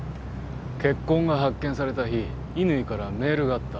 血痕が発見された日乾からメールがあった。